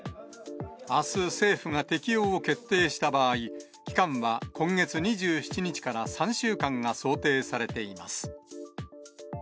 あす、政府が適用を決定した場合、期間は今月２７日から３週間が想定されています。